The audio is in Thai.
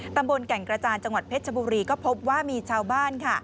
แก่งกระจานจังหวัดเพชรชบุรีก็พบว่ามีชาวบ้าน